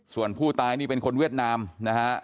ส่วนผู้ตายนี่เป็นคนเวียดนามนะฮะ